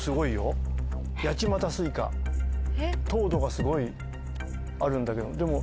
糖度がすごいあるんだけどでも。